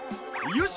よし！